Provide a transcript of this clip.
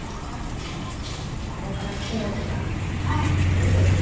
ここからキノコが出てくる。